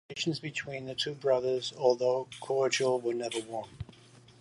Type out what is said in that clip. Relations between the two brothers, although cordial, were never warm.